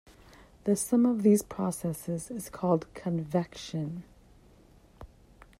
The sum of these processes is called convection.